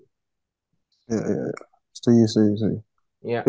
ya ya setuju setuju setuju